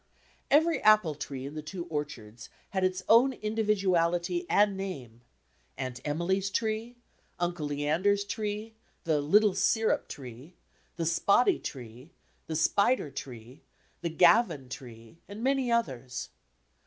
Every apple tree in the two orchards had its own in dividuality and name "Aunt Emily's tree," "Uncle Lean der's tree," the "Litde Syrup tree," the "Spotty tree," the "Spider tree," the "Gavin tree," and many others.